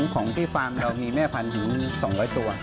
ของที่ฟาร์มเรามีแม่พันธุ์ถึง๒๐๐ตัว